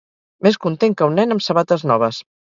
Més content que un nen amb sabates noves